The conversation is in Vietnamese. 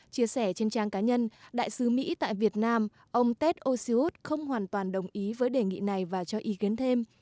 chia sẻ trên trang cá nhân đại sứ mỹ tại việt nam ông tet oxywood không hoàn toàn đồng ý với đề nghị này và cho ý kiến thêm